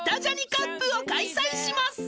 カップを開催します］